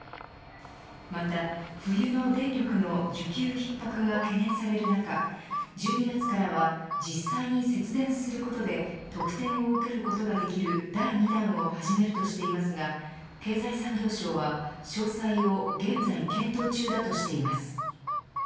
また、冬の電力の需給逼迫が懸念される中１２月からは実際に節電することで特典を受けることができる第２弾を始めるとしていますが経済産業省は、詳細を現在検討中だとしています。